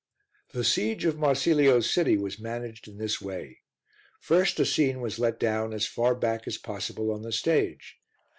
The siege of Marsilio's city was managed in this way. First a scene was let down as far back as possible on the stage.